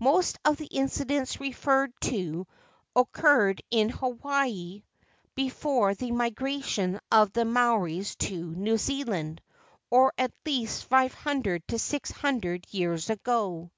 Most of the incidents referred to oc¬ curred in Hawaiki before the migration of the Maoris to New Zealand or at least five hundred to six hundred years ago."